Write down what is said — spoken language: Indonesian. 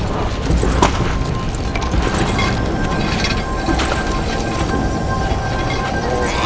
unyj thou kako ressurgat lamashiriatri come ku'anglebul finish parlac liebe